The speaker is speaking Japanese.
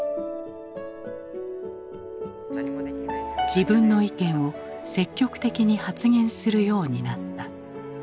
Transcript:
自分の意見を積極的に発言するようになった。